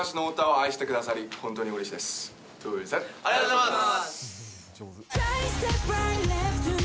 ありがとうございます。